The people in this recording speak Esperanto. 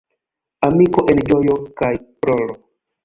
Amiko en ĝojo kaj ploro.